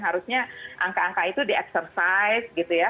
harusnya angka angka itu di exercise gitu ya